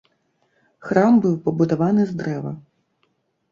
Храм быў пабудаваны з дрэва.